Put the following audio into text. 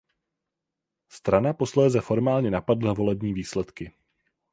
Strana posléze formálně napadla volební výsledky.